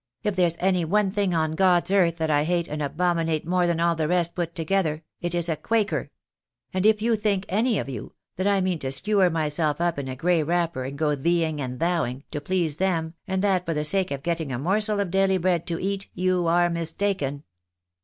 " If there's any one thing on God's earth that I hate and abominate more than all the rest put together, it is a quaker ; and if you think, any of you, that I mean to skewer myself up in a gray wrapper, and go theeingand thouing, to please them, and that for the sake of getting a morsel of daily bread to eat, you are mistaken."